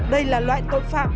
đây là loại tội phạm